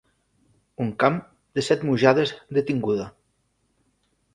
Un camp de set mujades de tinguda.